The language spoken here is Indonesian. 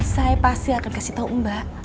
saya pasti akan kasih tahu mbak